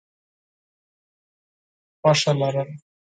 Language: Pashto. خوښه لرل: